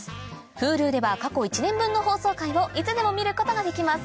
Ｈｕｌｕでは過去１年分の放送回をいつでも見ることができます